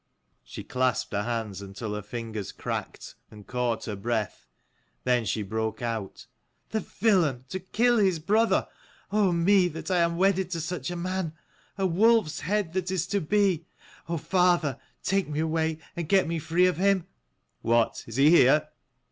She clasped her hands until her fingers cracked, and caught her breath : then she broke out, " the villain to kill his brother. Oh me that I am wedded to such a man : a wolfs head that is to be. Oh father, take me away and get me free of him," "What, is he here?"